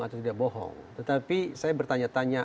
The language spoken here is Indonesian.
atau tidak bohong tetapi saya bertanya tanya